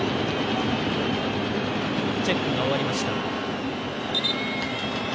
チェックが終わりました。